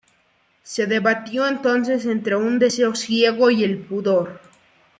Se debatió entonces entre un deseo ciego y el pudor.